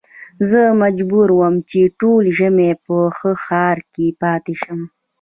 زه مجبور وم چې ټول ژمی په هغه ښار کې پاته شم.